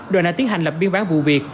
đoàn đã tiến hành lập biên bán vụ việc